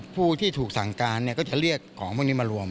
ผู้ที่ถูกสั่งการก็จะเรียกของพวกนี้มารวม